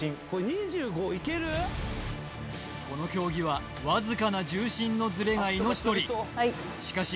この競技はわずかな重心のずれが命取りしかし